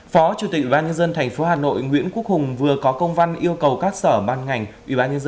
phó chủ tịch ubnd tp hà nội nguyễn quốc hùng vừa có công văn yêu cầu các sở ban ngành ubnd